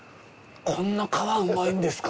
こんな皮うまいんですか？